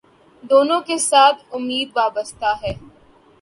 دونوں کے ساتھ امید وابستہ ہے